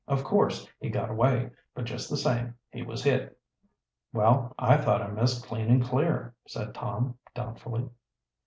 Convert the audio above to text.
Of course, he got away, but just the same, he was hit." "Well, I thought I missed clean and clear," said Tom doubtfully.